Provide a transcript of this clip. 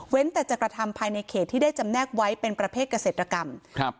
แต่จะกระทำภายในเขตที่ได้จำแนกไว้เป็นประเภทเกษตรกรรมครับ